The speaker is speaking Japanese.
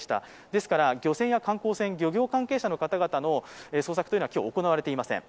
ですから漁船や観光船、漁業関係者の方々の捜索は今日おこなわれていません。